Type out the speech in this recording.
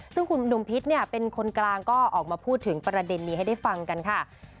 ซึ่งคุณหนุ่มพิษเนี่ยเป็นคนกลางก็ออกมาพูดถึงประเด็นนี้ให้ได้ฟังกันค่ะ